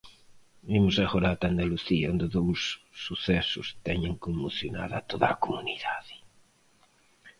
Imos agora ata Andalucía, onde dous sucesos teñen conmocionada toda a comunidade.